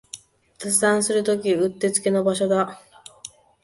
雑談するときにうってつけの場所だ